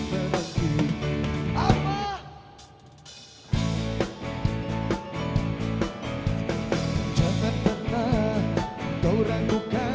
cintaku tak lalu